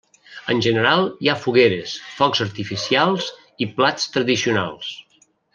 En general, hi ha fogueres, focs artificials i plats tradicionals.